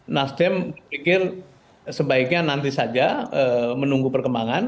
nasdem pikir sebaiknya nanti saja menunggu perkembangan